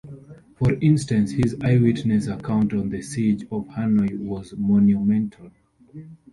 For instance, his eyewitness account on the siege of Hanoi was monumental.